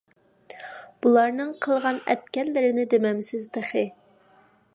بۇلارنىڭ قىلغان - ئەتكەنلىرىنى دېمەمسىز تېخى.